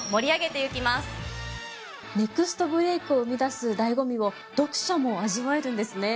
ネクストブレイクを生み出す醍醐味を読者も味わえるんですね。